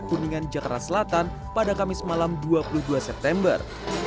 kuningan jakarta selatan pada kamis malam dua puluh dua september